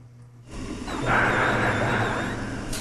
ไหนอ่ะ ไหนอ่ะ